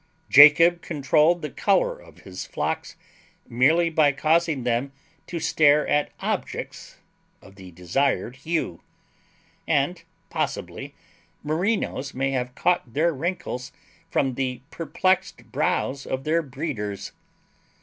Jacob controlled the color of his flocks merely by causing them to stare at objects of the desired hue; and possibly Merinos may have caught their wrinkles from the perplexed brows of their breeders.